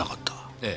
ええ。